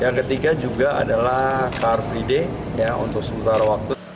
yang ketiga juga adalah kalfride untuk seputar waktu